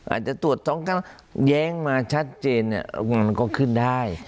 อาจจะตรวจสองครั้งแย้งมาชัดเจนมันก็ขึ้นได้